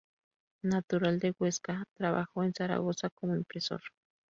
Natural de Huesca, trabajó en Zaragoza como impresor.